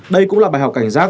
đây cũng là bài học cảnh giác